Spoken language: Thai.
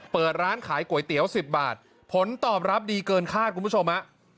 เปิดร้านขายก๋วยเตี๋ยว๑๐บาทผลตอบรับดีเกินคาดคุณผู้ชมฮะ